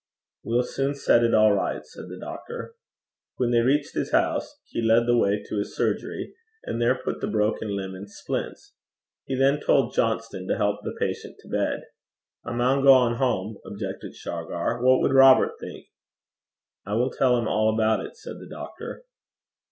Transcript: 'We'll soon set it all right,' said the doctor. When they reached his house he led the way to his surgery, and there put the broken limb in splints. He then told Johnston to help the patient to bed. 'I maun gang hame,' objected Shargar. 'What wad Robert think?' 'I will tell him all about it,' said the doctor.